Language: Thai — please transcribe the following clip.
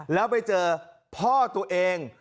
แล้วไปเจอพ่อตัวเอง